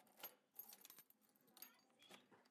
Hornatý povrch umožňuje provoz mnoha lyžařských středisek.